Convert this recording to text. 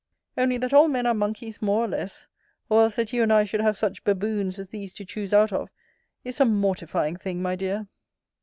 Only that all men are monkeys more or less, or else that you and I should have such baboons as these to choose out of, is a mortifying thing, my dear.